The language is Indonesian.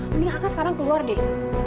mending akang sekarang keluar deh